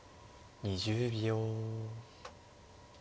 ２０秒。